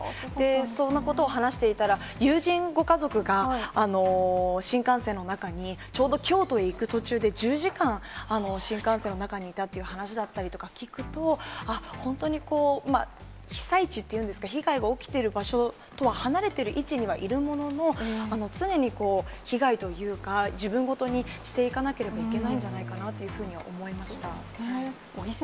そんなことを話していたら、友人ご家族が、新幹線の中に、ちょうど京都へ行く途中で、１０時間新幹線の中にいたという話だったりとか聞くと、あっ、本当に、被災地っていうんですか、被害が起きてる場所とは離れている位置にはいるものの、常に被害というか、自分ごとにしていかなければいけないんじゃないかなというふうには思いました。